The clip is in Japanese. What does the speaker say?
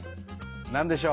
何でしょう？